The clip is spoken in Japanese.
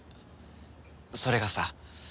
それがさ。